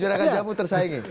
jualan jamu tersaingin